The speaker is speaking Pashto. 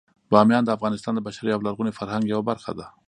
بامیان د افغانستان د بشري او لرغوني فرهنګ یوه برخه ده.